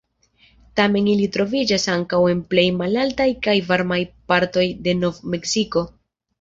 Tamen ili troviĝas ankaŭ en plej malaltaj kaj varmaj partoj de Nov-Meksiko.